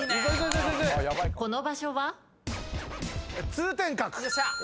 通天閣。